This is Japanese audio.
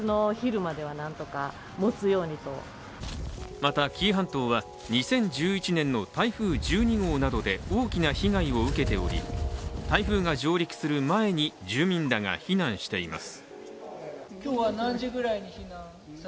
また、紀伊半島は２０１１年の台風１２号などで大きな被害を受けており台風が上陸する前に住民らが避難しています。